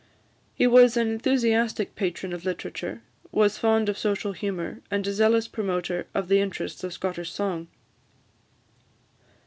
He was an enthusiastic patron of literature, was fond of social humour, and a zealous promoter of the interests of Scottish song.